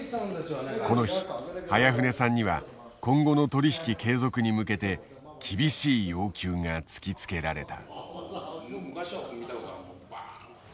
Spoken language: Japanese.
この日早舩さんには今後の取引継続に向けて厳しい要求が突きつけられた。